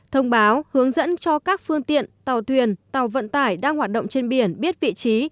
thông báo hướng dẫn cho các phương tiện tàu thuyền tàu vận tải đang hoạt động trên biển biết vị trí